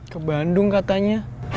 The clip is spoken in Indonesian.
ke bandung katanya